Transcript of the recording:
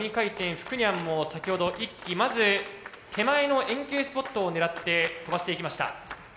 福来にゃん」も先ほど１機まず手前の円形スポットを狙って飛ばしていきました。